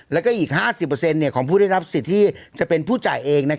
แล้วก็อีก๕๐ของผู้ได้รับสิทธิ์ที่จะเป็นผู้จ่ายเอง